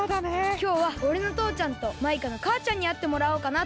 きょうはおれのとうちゃんとマイカのかあちゃんにあってもらおうかなと。